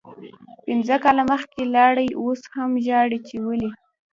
پنځه کاله مخکې لاړی اوس هم ژاړم چی ولې